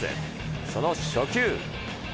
その初球。